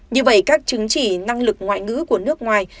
như vậy các chứng chỉ năng lực của nước ngoài